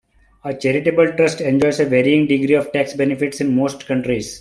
A charitable trust enjoys a varying degree of tax benefits in most countries.